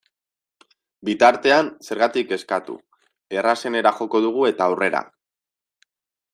Bitartean, zergatik kezkatu, errazenera joko dugu eta aurrera!